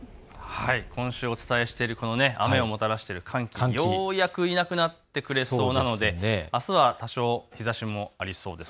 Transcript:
今週お伝えしている雨をもたらしている寒気、ようやくいなくなってくれそうなのであすは多少、日ざしもありそうです。